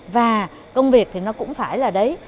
và công việc thì nó cũng phải là đấy